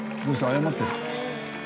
謝ってる。